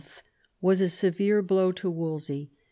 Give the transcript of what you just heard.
was a severe blow to Wolsey.